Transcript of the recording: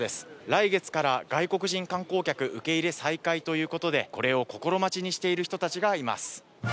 来月から外国人観光客、受け入れ再開ということでこれを心待ちにしている人たちがいます。